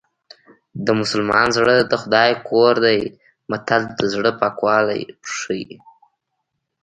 د مسلمان زړه د خدای کور دی متل د زړه پاکوالی ښيي